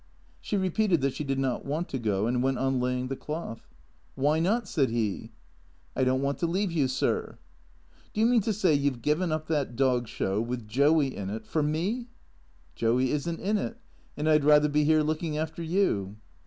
She repeated that she did not want to go, and went on laying the cloth. "Why not?" said he. " I don't want to leave you, sir." " Do you mean to say you 've given up that Dog Show — with Joey in it — for me ?"" Joey is n't in it ; and I 'd rather be here looking after you."